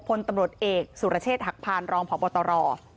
พลตำรวจเอกสุรเชษฐ์หักพานรองพบตร